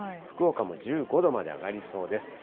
福岡も１５度まで上がりそうです。